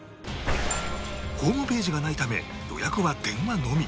ホームページがないため予約は電話のみ